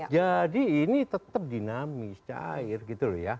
jadi ini tetap dinamis cair gitu ya